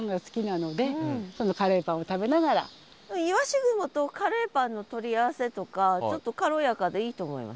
鰯雲とカレーパンの取り合わせとかちょっと軽やかでいいと思います。